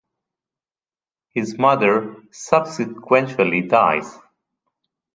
His mother subsequently dies.